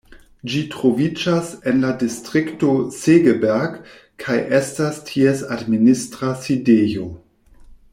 Ĝi troviĝas en la distrikto Segeberg, kaj estas ties administra sidejo.